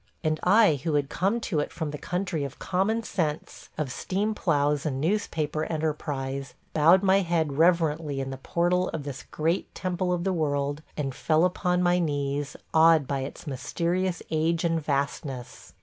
And I who had come to it from the country of common sense, of steam ploughs and newspaper enterprise, bowed my head reverently in the portal of this great Temple of the World, and fell upon my knees, awed by its mysterious age and vastness.